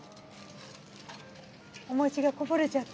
お餅がこぼれちゃって。